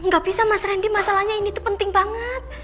gak bisa mas randy masalahnya ini tuh penting banget